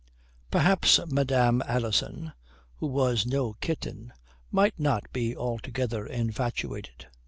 Perhaps Madame Alison, who was no kitten, might not be altogether infatuated.